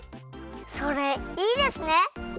それいいですね！